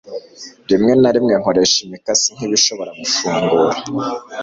Rimwe na rimwe nkoresha imikasi nkibishobora gufungura.